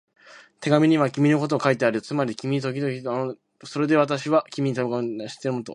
手紙には君のことも書いてあるよ。つまり君はときどき私と官房長とのあいだの通知を伝えるということだ。それで私は、君が手紙の内容を知っているものと